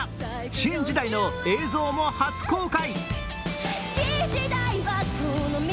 「新時代」の映像も初公開！